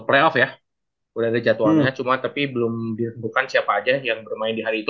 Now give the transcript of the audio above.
playoff ya udah ada jadwalnya cuma tapi belum ditentukan siapa aja yang bermain di hari itu